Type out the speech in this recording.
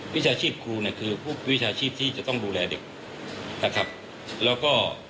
วิชาชีพครูคือวิชาชีพที่จะต้องดูแลเด็ก